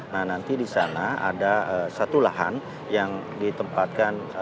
nah nanti di sana ada satu lahan yang ditempatkan